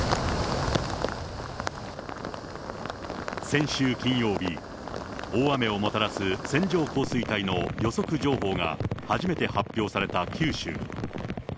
先週金曜日、大雨をもたらす線状降水帯の予測情報が、初めて発表された九州。